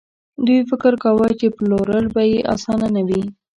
دوی فکر کاوه چې پلورل به يې اسانه نه وي.